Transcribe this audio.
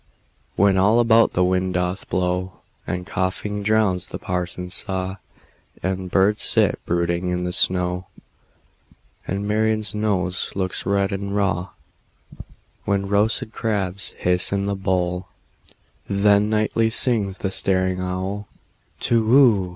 When all about the wind doth blow, And coughing drowns the parson's saw, And birds sit brooding in the snow, And Marian's nose looks red and raw; When roasted crabs hiss in the bowl—Then nightly sings the staring owlTu whoo!